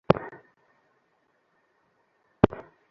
খাওয়াদাওয়া করিয়া যাস, বেশি দেরি হইবে না।